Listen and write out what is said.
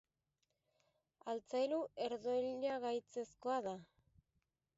Altzairu herdoilgaitzezkoa da.